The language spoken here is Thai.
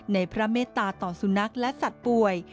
พระเมตตาต่อสุนัขและสัตว์ป่วย